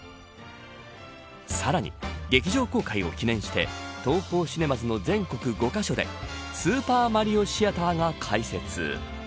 さらに、劇場公開を記念してＴＯＨＯシネマズの全国５カ所でスーパーマリオシアターが開設。